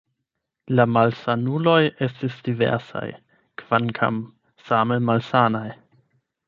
La malsanuloj estis diversaj, kvankam same malsanaj.